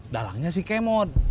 dalangnya si kemot